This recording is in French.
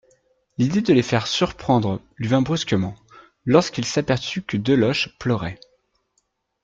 L'idée de les faire surprendre lui vint brusquement, lorsqu'il s'aperçut que Deloche pleurait.